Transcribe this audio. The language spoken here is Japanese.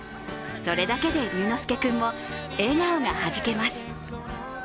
それだけで龍之介君も笑顔がはじけます。